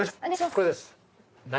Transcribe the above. これです。